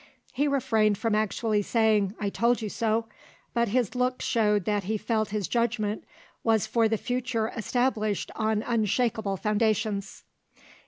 He refrained from actually saying "I told you so," but his looks showed that he felt his judgment was for the future established on unshakable foundations.